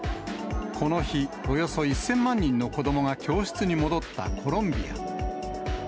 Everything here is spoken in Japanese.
この日、およそ１０００万人の子どもが教室に戻ったコロンビア。